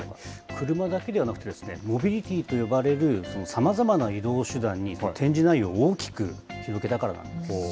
車だけではなくてですね、モビリティと呼ばれるさまざまな移動手段に展示内容を大きく広げたからなんです。